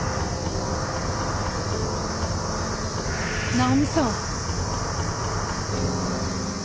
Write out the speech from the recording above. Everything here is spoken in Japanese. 尚美さん。